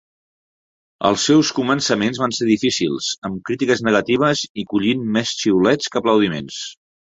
Els seus començaments van ser difícils, amb crítiques negatives i collint més xiulets que aplaudiments.